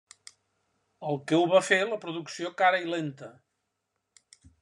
El que ho va fer la producció cara i lenta.